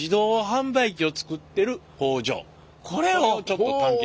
これをちょっと探検しよう。